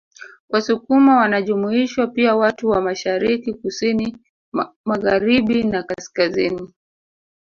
Wasukuma wanajumuishwa pia watu wa Mashariki kusini Magharibina kaskazini